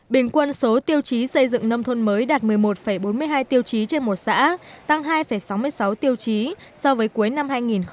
bình quân số tiêu chí xây dựng nông thôn mới đạt một mươi một bốn mươi hai tiêu chí trên một xã tăng hai sáu mươi sáu tiêu chí so với cuối năm hai nghìn một mươi tám